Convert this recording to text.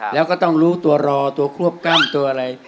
แล้วก็ต้องรู้ตัวรอตัวควบกล้ามตัวอะไร